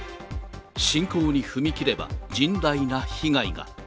侵攻に踏み切れば、甚大な被害が。